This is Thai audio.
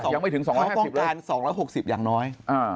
ยังไม่ถึง๒๕๐เลย